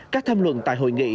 các tham luận tại hội nghị